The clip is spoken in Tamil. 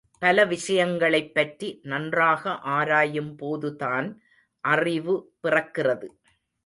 பல விஷயங்களைப் பற்றி, நன்றாக ஆராயும் போதுதான் அறிவு பிறக்கிறது.